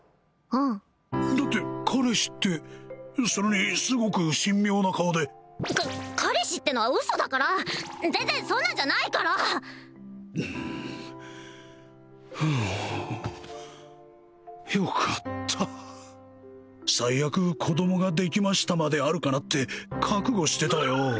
うんだって彼氏ってそれにすごく神妙な顔でか彼氏ってのはウソだから全然そんなんじゃないから！よかった最悪子供ができましたまであるかなって覚悟してたよ